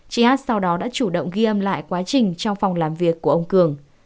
chị hát sau đó đã chủ động ghi âm lại quá trình trong phòng làm việc của ông cường